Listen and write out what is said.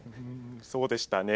そうでしたね。